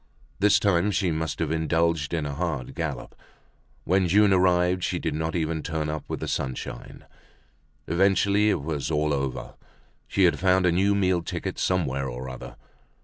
This time she must have indulged in a hard gallop. When June arrived she did not even turn up with the sunshine. Evidently it was all over, she had found a new meal ticket somewhere or other.